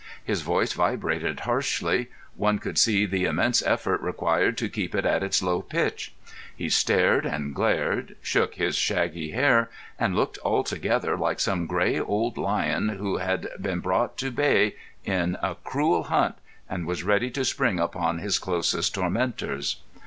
His voice vibrated harshly; one could see the immense effort required to keep it at its low pitch. He stared and glared, shook his shaggy hair, and looked altogether like some grey old lion who had been brought to bay in a cruel hunt, and was ready to spring upon his closest tormentors.